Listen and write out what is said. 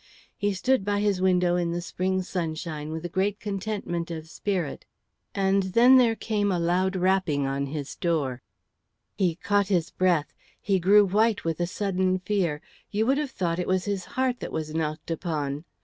He stood by his window in the spring sunshine with a great contentment of spirit, and then there came a loud rapping on his door. He caught his breath; he grew white with a sudden fear; you would have thought it was his heart that was knocked upon.